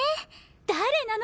誰なの？